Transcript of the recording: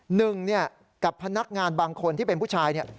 หนึ่งเนี่ยกับพนักงานบางคนที่เป็นผู้ชายเนี่ย